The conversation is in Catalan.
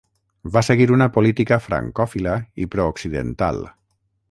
Va seguir una política francòfila i prooccidental.